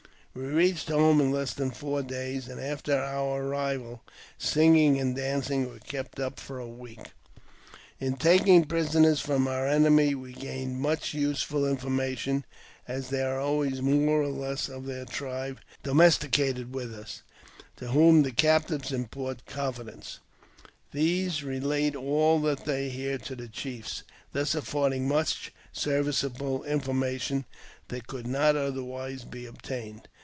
We reached home in less than four days ; and, after our arrival,, singing and dancing were kept up for a week. In taking prisoners from an enemy we gain much useful information, as there are always more or less of their tribe domiciliated with us, to whom the captives impart confidence ; these relate all that they hear to the chiefs, thus affording much serviceable information that could not otherwise be obtained.